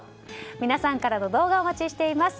皆さんからの動画をお待ちしています。